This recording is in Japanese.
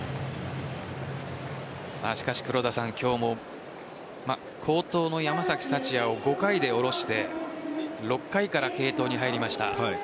しかし今日も好投の山崎福也を５回で降ろして６回から継投に入りました。